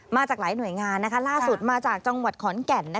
มาจากหลายหน่วยงานล่าสุดมาจากจังหวัดขอนแก่น